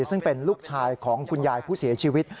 ซึ่งเป็นลูกชายของคุณยายผู้เสียชีวิต